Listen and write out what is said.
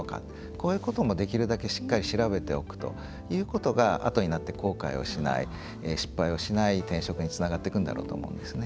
こういうことも、できるだけしっかり調べておくということがあとになって後悔をしない失敗をしない転職につながっていくんだろうと思うんですね。